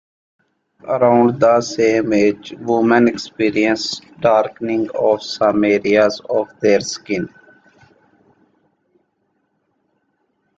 Around the same age, women experience darkening of some areas of their skin.